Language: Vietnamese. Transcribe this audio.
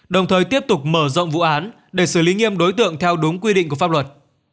đồng thời tiếp tục mở rộng vụ án để xử lý nghiêm đối tượng theo đúng quy định của pháp luật